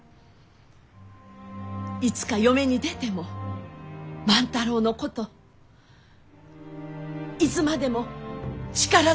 いつか嫁に出ても万太郎のこといつまでも力づけてくれるかえ？